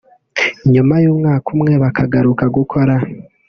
nyuma y’umwaka umwe bakagaruka gukora